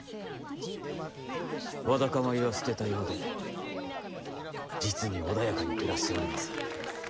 わだかまりは捨てたようで実に穏やかに暮らしておりまする。